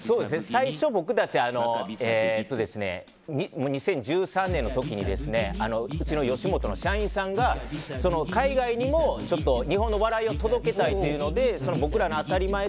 最初、僕たち２０１３年の時に吉本の社員さんが海外にも日本の笑いを届けたいというので僕らのあたりまえ